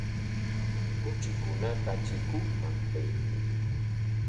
Kuchikunata chikunman qaykun.